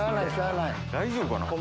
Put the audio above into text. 大丈夫かな？